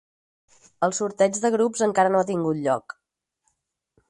El sorteig de grups encara no ha tingut lloc.